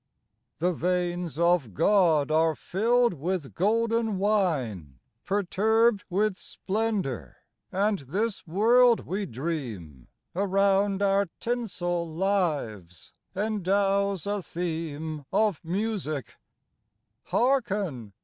The veins of God are filled with golden wine Perturbed with splendour, and this world we dream Around our tinsel lives endows a theme Of music Hearken